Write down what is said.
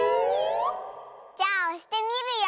じゃあおしてみるよ！